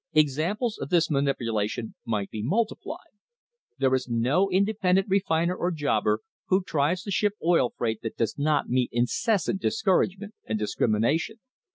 Examples of this manipulation might be multiplied. There is no independent refiner or jobber who tries to ship oil freight that does not meet incessant discouragement and discrimina tion.